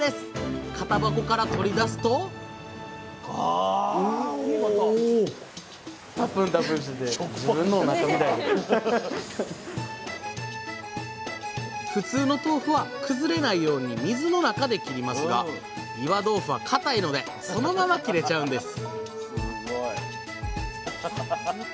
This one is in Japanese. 型箱から取り出すと普通の豆腐は崩れないように水の中で切りますが岩豆腐は固いのでそのまま切れちゃうんです！